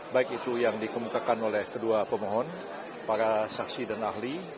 baik itu yang dikemukakan oleh kedua pemohon para saksi dan ahli